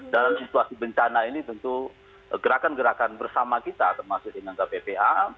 dalam situasi bencana ini tentu gerakan gerakan bersama kita termasuk dengan kppa